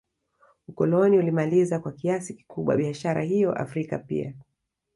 Ukoloni ulimaliza kwa kiasi kikubwa biashara hiyo Afrika pia